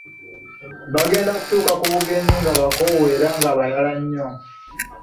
Baagenda okutuuka ku bugenyi, nga bakoowu era nga bayala nnyo.